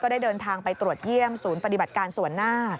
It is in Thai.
ได้เดินทางไปตรวจเยี่ยมศูนย์ปฏิบัติการส่วนหน้า